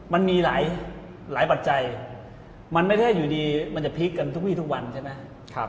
มันมีหลายปัจจัยมันไม่ได้อยู่ดีมันจะพลิกกันทุกวีทุกวันใช่ไหม